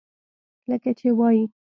لکه چې وائي ۔